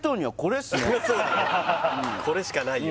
これしかないよ